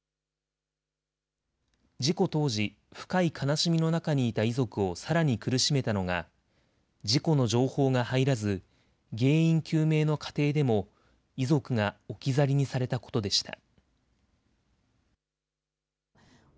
事故当時、深い悲しみの中にいた遺族をさらに苦しめたのが、事故の情報が入らず、原因究明の過程でも遺族が置き去りにされたことでした。